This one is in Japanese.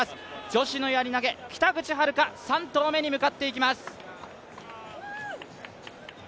女子のやり投、北口榛花、３投目に向かっていきます。